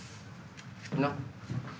なっ？